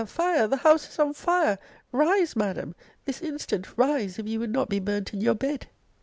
Fire! The house is on fire! Rise, Madam! This instant rise if you would not be burnt in your bed!